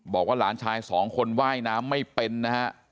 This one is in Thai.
บอกว่าหลานชายสองคนว่ายน้ำไม่เป็นนะฮะ